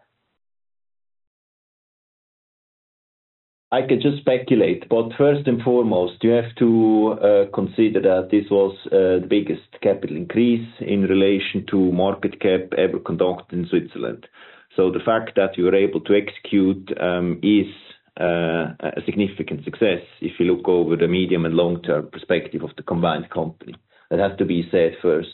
I could just speculate, but first and foremost, you have to consider that this was the biggest capital increase in relation to market cap ever conducted in Switzerland, so the fact that you were able to execute is a significant success if you look over the medium and long-term perspective of the combined company. That has to be said first,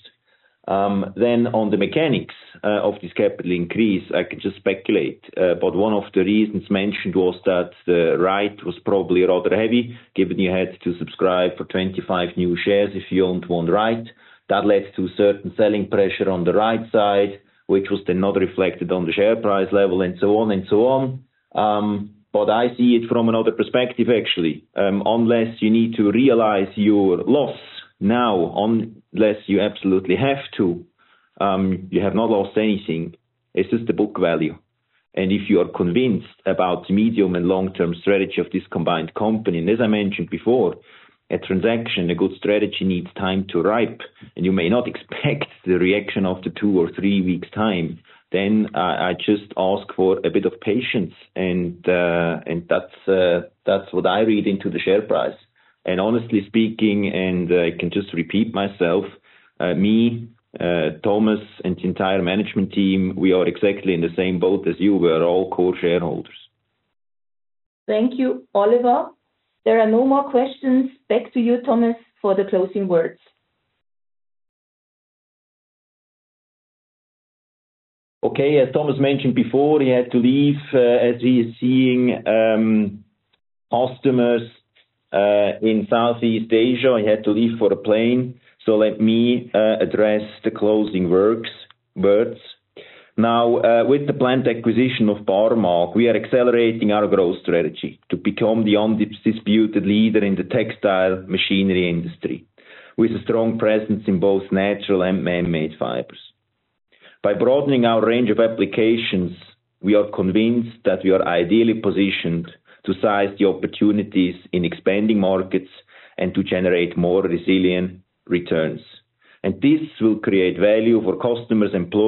then on the mechanics of this capital increase, I could just speculate, but one of the reasons mentioned was that the right was probably rather heavy, given you had to subscribe for 25 new shares if you owned one right. That led to certain selling pressure on the right side, which was then not reflected on the share price level, and so on and so on, but I see it from another perspective, actually. Unless you need to realize your loss now, unless you absolutely have to, you have not lost anything. It's just the book value, and if you are convinced about the medium and long-term strategy of this combined company, and as I mentioned before, a transaction, a good strategy needs time to ripen, and you may not expect the reaction after two or three weeks' time, then I just ask for a bit of patience. And that's what I read into the share price. And honestly speaking, and I can just repeat myself, me, Thomas, and the entire management team, we are exactly in the same boat as you. We are all core shareholders. Thank you, Oliver. There are no more questions. Back to you, Thomas, for the closing words. Okay. As Thomas mentioned before, he had to leave as he is seeing customers in Southeast Asia. He had to leave for a plane. So let me address the closing words. Now, with the planned acquisition of Barmag, we are accelerating our growth strategy to become the undisputed leader in the textile machinery industry with a strong presence in both natural and man-made fibers. By broadening our range of applications, we are convinced that we are ideally positioned to seize the opportunities in expanding markets and to generate more resilient returns. And this will create value for customers and.